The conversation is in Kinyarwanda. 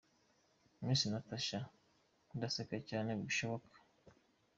Miss Natacha : Ndaseka cyane bishoboka.